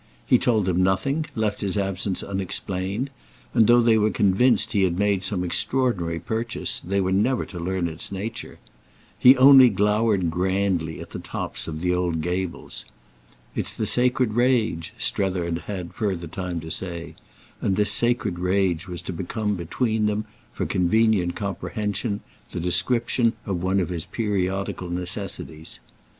He told them nothing, left his absence unexplained, and though they were convinced he had made some extraordinary purchase they were never to learn its nature. He only glowered grandly at the tops of the old gables. "It's the sacred rage," Strether had had further time to say; and this sacred rage was to become between them, for convenient comprehension, the description of one of his periodical necessities.